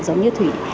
giống như thủy